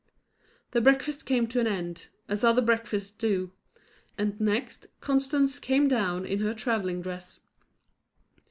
The breakfast came to an end, as other breakfasts do; and next, Constance came down in her travelling dress.